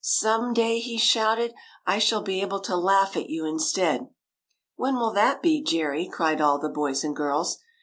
" Some day," he shouted, " I shall be able to laugh at you instead." " When will that be, Jerry ?" cried all the boys and girls.